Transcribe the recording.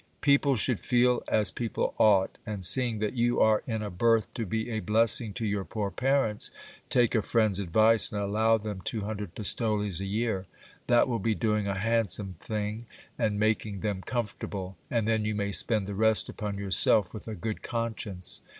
People should feel as people ought ; and seeing that you are in a berth to be a blessing to your poor parents, take a friend's advice, and allow them two hun dred pistoles a year. That will be doing a handsome thing, and making them comfortable, and then you may spend the rest upon yourself with a good con science.